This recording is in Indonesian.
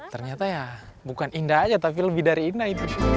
ternyata ya bukan indah saja tapi lebih dari indah